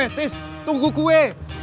weh tis tunggu kue